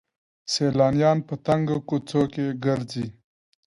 سیلانیان په تنګو کوڅو کې ګرځي.